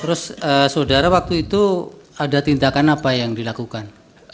terus saudara waktu itu ada tindakan apa yang dilakukan